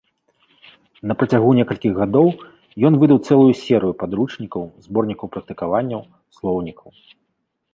Напрацягу некалькіх гадоў, ён выдаў цэлую серыю падручнікаў, зборнікаў практыкаванняў, слоўнікаў.